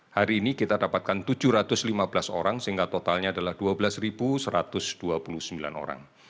hari ini kita dapatkan tujuh ratus lima belas orang sehingga totalnya adalah dua belas satu ratus dua puluh sembilan orang